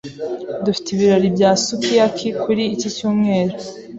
Dufite ibirori bya sukiyaki kuri iki cyumweru.